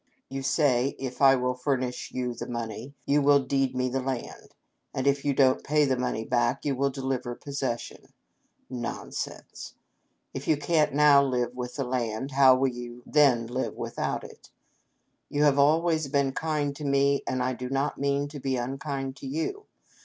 " You say, if I will furnish you the money, you will deed me the land, and if you don't pay the money back you will deliver possession. Nonsense ! If you can't now live with the land, how will you then live without it ? You have always been kind to me, and I do not mean to be unkind to you.